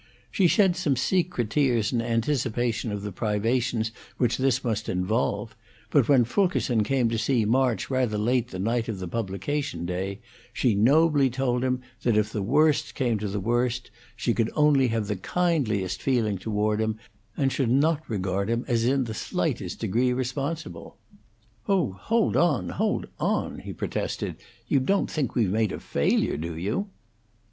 She shed some secret tears in anticipation of the privations which this must involve; but when Fulkerson came to see March rather late the night of the publication day, she nobly told him that if the worst came to the worst she could only have the kindliest feeling toward him, and should not regard him as in the slightest degree responsible. "Oh, hold on, hold on!" he protested. "You don't think we've made a failure, do you?"